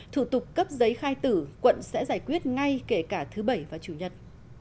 thủ tục cấp giấy khai tử quận sẽ giải quyết ngay kể cả thứ bảy và chủ nhật